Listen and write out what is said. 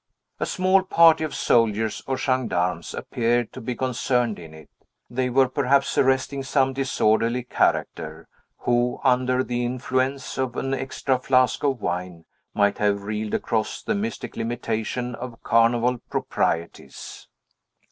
A small party of soldiers or gendarmes appeared to be concerned in it; they were perhaps arresting some disorderly character, who, under the influence of an extra flask of wine, might have reeled across the mystic limitation of carnival proprieties.